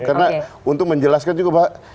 karena untuk menjelaskan juga bahwa